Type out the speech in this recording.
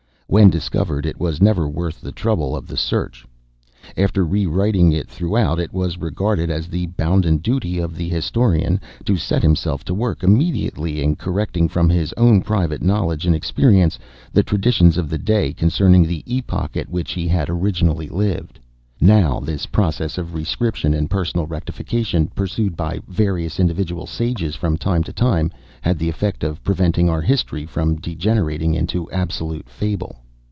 When discovered, it was never worth the trouble of the search. After re writing it throughout, it was regarded as the bounden duty of the historian to set himself to work immediately in correcting, from his own private knowledge and experience, the traditions of the day concerning the epoch at which he had originally lived. Now this process of re scription and personal rectification, pursued by various individual sages from time to time, had the effect of preventing our history from degenerating into absolute fable."